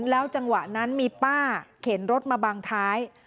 แล้วจังหวะนั้นมีป้าเข็นรถมาบังท้าย